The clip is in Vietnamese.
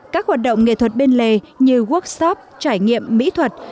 các hoạt động nghệ thuật bên lề như workshop trải nghiệm mỹ thuật